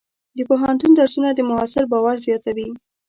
د پوهنتون درسونه د محصل باور زیاتوي.